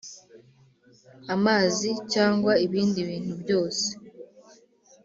amazi cyangwa ibindi bintu byose